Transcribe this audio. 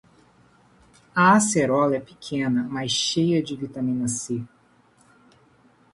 A acerola é pequena, mas cheia de vitamina C.